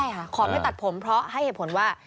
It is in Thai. ใช่ค่ะขอไม่ตัดผมเพราะให้เหตุผลว่า